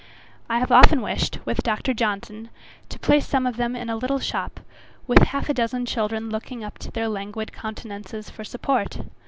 I have often wished, with Dr. Johnson, to place some of them in a little shop, with half a dozen children looking up to their languid countenances for support.